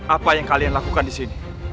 apa yang kalian lakukan disini